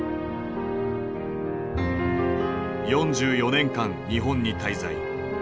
４４年間日本に滞在。